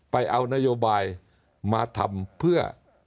ไปเอานโยบายมาทำเพื่อ